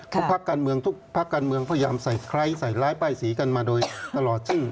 เพราะแพรกการเมืองพยายามใส่ไคร้ใส่ร้ายป้ายสีกันมาโดยตลอด